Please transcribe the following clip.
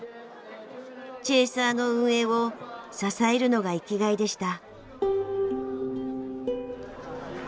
チェーサーの運営を支えるのが生きがいでした。